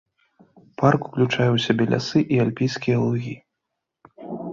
Парк уключае ў сябе лясы і альпійскія лугі.